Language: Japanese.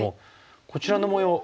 こちらの模様